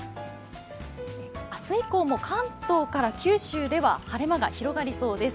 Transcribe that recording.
明日以降も関東から九州では晴れ間が広がりそうです。